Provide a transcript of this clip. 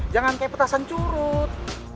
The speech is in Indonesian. jangan kayak petasan curut